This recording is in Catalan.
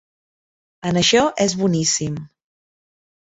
En això és boníssim.